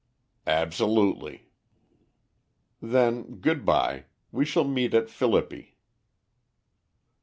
"Absolutely." "Then good bye. We shall meet at Philippi."